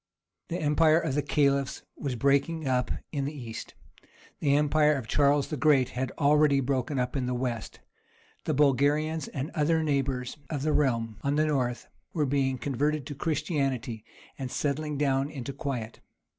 The empire of the Caliphs was breaking up in the East—the empire of Charles the Great had already broken up in the West—the Bulgarians and other neighbours of the realm on the north were being converted to Christianity, and settling down into quiet.